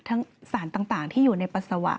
ทั้งสารต่างที่อยู่ในปัสสาวะ